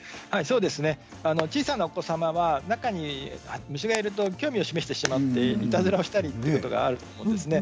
小さなお子様は中に虫がいると興味を示してしまっていたずらしたりということがあるんです。